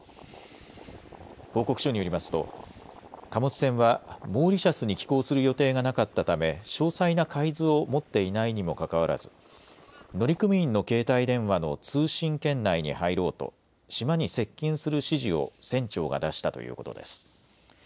報告書によりますと貨物船はモーリシャスに寄港する予定がなかったため詳細な海図を持っていないにもかかわらず乗組員の携帯電話の通信圏内に入ろうと島に接近する指示を船長が出したということです。